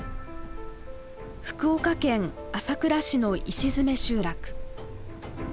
福岡県朝倉市の石詰集落。